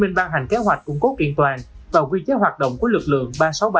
công an tp hcm đã cung cố kiện toàn và quy chế hoạt động của lực lượng ba trăm sáu mươi ba